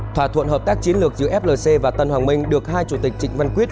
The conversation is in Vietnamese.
thỏa thuận hợp tác chiến lược giữa flc và tân hoàng minh được hai chủ tịch trịnh văn quyết